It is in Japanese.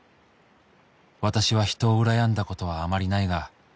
「私は人を羨んだことはあまりないが」